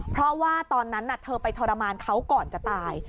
เพราะว่าตอนนั้นเธอไปทรมานเขาก่อนจะตาย